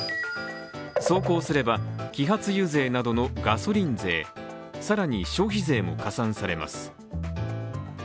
走行すれば、揮発油税などのガソリン税、更に消費税も加算されます。